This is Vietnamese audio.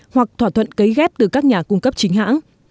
hoặc thỏa thuận cấy ghép từ các nhà cung cấp chính hãng